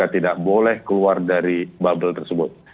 tidak boleh keluar dari bubble tersebut